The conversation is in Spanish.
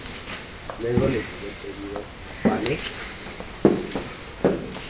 luego le llevo el pedido, ¿ vale?